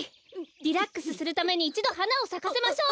リラックスするためにいちどはなをさかせましょう。